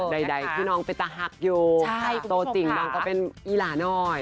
ใดที่น้องเป็นตาหักโตติ่งน้องก็เป็นอีหลาน้อย